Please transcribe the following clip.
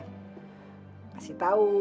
kasih tau mau kasih tau